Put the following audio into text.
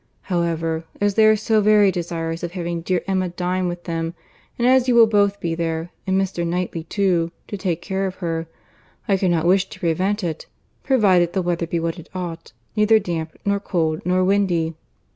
However, as they are so very desirous to have dear Emma dine with them, and as you will both be there, and Mr. Knightley too, to take care of her, I cannot wish to prevent it, provided the weather be what it ought, neither damp, nor cold, nor windy."